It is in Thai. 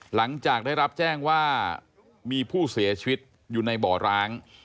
หลังจากได้รับแจ้งว่ามีผู้เสียชีวิตอยู่ในบ่อร้าง